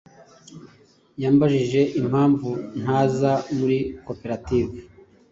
Yambajije impamvu ntaza muri koperative,